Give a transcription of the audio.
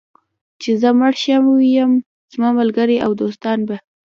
چې زه مړ شوی یم، زما ملګري او دوستان به.